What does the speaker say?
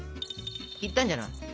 いったんじゃない？